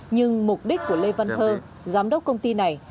nhưng mục đích của lê văn thơ giám đốc công ty này